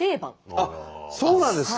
あっそうなんですか？